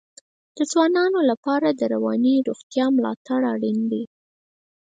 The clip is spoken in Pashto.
د ځوانانو لپاره د رواني روغتیا ملاتړ اړین دی.